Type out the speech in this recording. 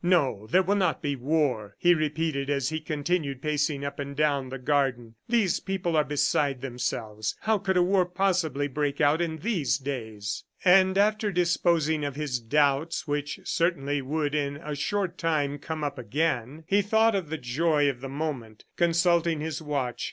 "No, there will not be war," he repeated as he continued pacing up and down the garden. "These people are beside themselves. How could a war possibly break out in these days?" ... And after disposing of his doubts, which certainly would in a short time come up again, he thought of the joy of the moment, consulting his watch.